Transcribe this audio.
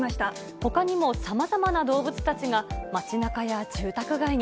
ほかにもさまざまな動物たちが、街なかや住宅街に。